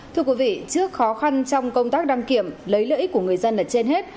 thưa quý vị trước khó khăn trong công tác đăng kiểm lấy lợi ích của người dân là trên hết